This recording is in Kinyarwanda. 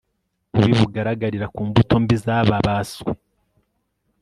bubi bugaragarira mu mbuto mbi zababaswe